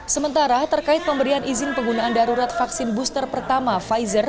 sementara terkait pemberian izin penggunaan darurat vaksin booster pertama pfizer